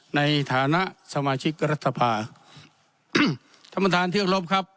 ในฐานะสมาชิกรัฐภาคอืมธมทานที่ครบครับ